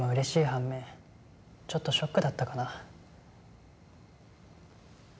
反面ちょっとショックだったかな。